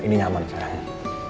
ini nyaman sekarang